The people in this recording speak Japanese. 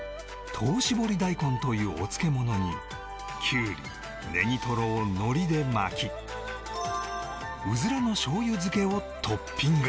糖しぼり大根というお漬物にキュウリネギトロを海苔で巻きうずらの醤油漬けをトッピング